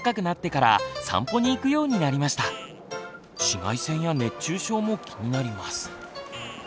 紫外線や熱中症も気になります。